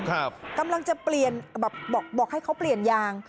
กำลังจะเปลี่ยนแบบบอกบอกให้เขาเปลี่ยนยาง